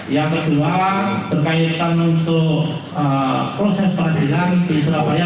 yang kedua berkaitan untuk proses peradilan di surabaya